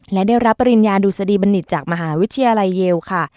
และได้รับปริญญาดุษฎีบัณฑิตจากมหาวิทยาลัยเยลค่ะ